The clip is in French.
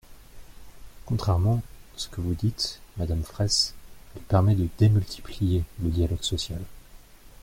Contrairement ce que vous dites, madame Fraysse, elle permet de démultiplier le dialogue social.